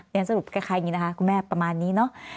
อย่างนั้นสรุปใกล้อย่างนี้นะคะคุณแม่ประมาณนี้เนอะ